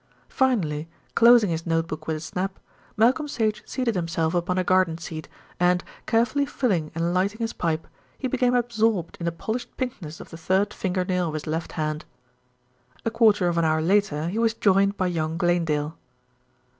Finally, closing his notebook with a snap, Malcolm Sage seated himself upon a garden seat and, carefully filling and lighting his pipe, he became absorbed in the polished pinkness of the third fingernail of his left hand. A quarter of an hour later he was joined by young Glanedale.